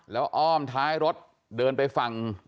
แล้วอ้อมท้ายรถเดินไปฝั่ง